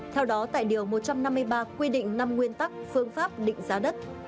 theo đó tại điều một trăm năm mươi ba quy định năm nguyên tắc phương pháp định giá đất